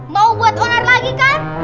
mau buat onar lagi kan